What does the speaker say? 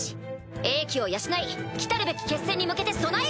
英気を養い来るべき決戦に向けて備えよ！